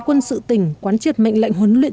quân sự tỉnh quán triệt mệnh lệnh huấn luyện